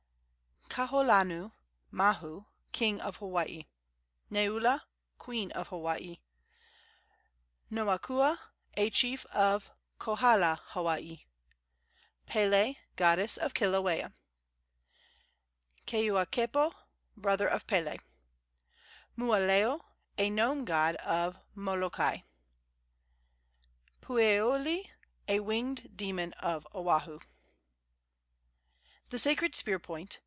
Kauholanui mahu, king of Hawaii. Neula, queen of Hawaii. Noakua, a chief of Kohala, Hawaii. Pele, goddess of Kilauea. Keuakepo, brother of Pele. Mooaleo, a gnome god of Molokai. Pueoalii, a winged demon of Oahu. THE SACRED SPEAR POINT.